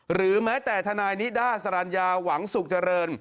หรือแม้แต่ทนายนิด้าสรรญาหวังสุขเจริญ